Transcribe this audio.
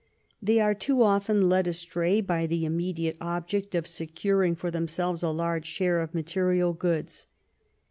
They are too often led astray by the immediate object of securing for themselves a large share of material goods.